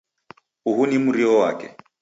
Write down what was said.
Uhu ni mrio wake.